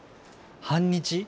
半日？